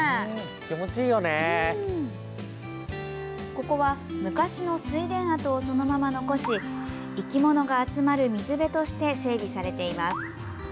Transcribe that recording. ここは昔の水田跡をそのまま残し生き物が集まる水辺として整備されています。